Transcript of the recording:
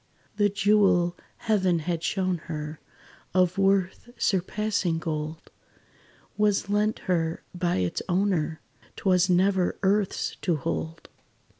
The jewel, Heaven had shown her, Of worth surpassing gold, Was lent her, by its Owner 'T was never earth's to hold.